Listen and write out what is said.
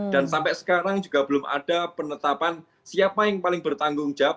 dan sampai sekarang juga belum ada penetapan siapa yang paling bertanggung jawab